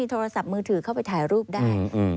โทรศัพท์มือถือเข้าไปถ่ายรูปได้